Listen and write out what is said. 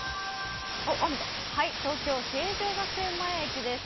東京・成城学園前駅です。